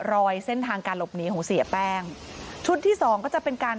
เส้นทางการหลบหนีของเสียแป้งชุดที่สองก็จะเป็นการ